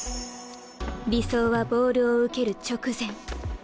理想はボールを受ける直前。